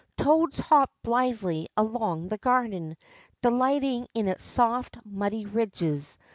Toads hopped blithely along the garden, delighting in its soft, muddy ridges.